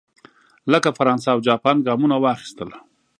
لکه فرانسه او جاپان ګامونه واخیستل.